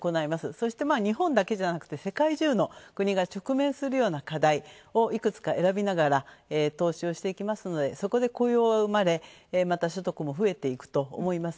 そして、日本だけではなくて世界中の国が直面するような課題をいくつか選びながら投資をしていきますのでそこで雇用は生まれ、また、所得も増えていくと思います。